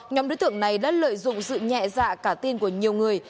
nhóm đối tượng này đã lợi dụng sự nhẹ dạ cả tin của nhiều người